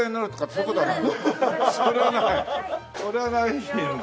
それはないんだ。